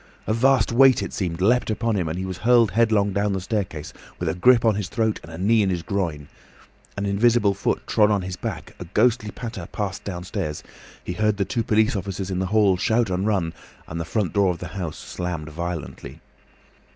A vast weight, it seemed, leapt upon him, and he was hurled headlong down the staircase, with a grip on his throat and a knee in his groin. An invisible foot trod on his back, a ghostly patter passed downstairs, he heard the two police officers in the hall shout and run, and the front door of the house slammed violently.